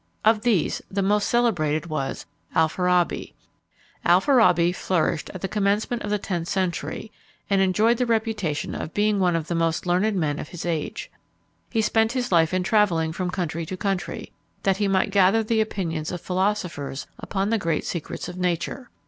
Of these the most celebrated was ALFARABI. Alfarabi flourished at the commencement of the tenth century, and enjoyed the reputation of being one of the most learned men of his age. He spent his life in travelling from country to country, that he might gather the opinions of philosophers upon the great secrets of nature.